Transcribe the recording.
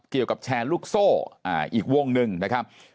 เกี่ยวกับแชร์ลูกโซ่อีกวงหนึ่งนะครับ